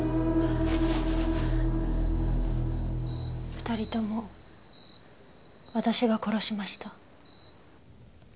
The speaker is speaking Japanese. ２人とも私が殺しました。